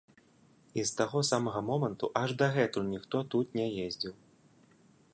І з таго самага моманту аж дагэтуль ніхто тут не ездзіў.